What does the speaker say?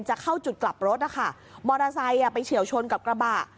จะเข้าจุดกลับรถนะคะมอเตอร์ไซค์อ่ะไปเฉียวชนกับกระบะ